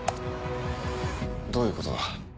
どういうことだ？